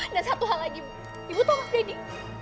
dan satu hal lagi ibu tau mas deddy